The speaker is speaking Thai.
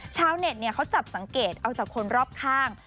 ชาวเน็ตเขาจับสังเกตเอาจากคนรอบข้าง